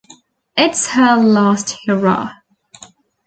It's her last hurrah.